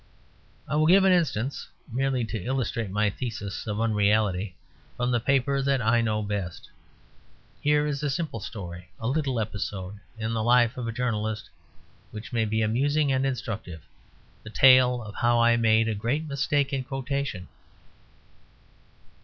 I will give an instance (merely to illustrate my thesis of unreality) from the paper that I know best. Here is a simple story, a little episode in the life of a journalist, which may be amusing and instructive: the tale of how I made a great mistake in quotation.